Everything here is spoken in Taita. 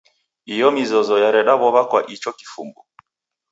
Iyo mizozo yareda w'ow'a kwa icho kifumbu.